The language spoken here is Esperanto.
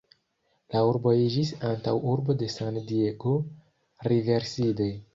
La urbo iĝis antaŭurbo de San-Diego, Riverside.